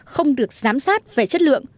không được giám sát về chất lượng